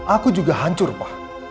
aku juga hancur pak